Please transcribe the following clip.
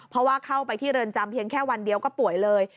เพราะว่าเข้าไปที่เรือนจำเพียงแค่วันเดียวก็ป่วยเลย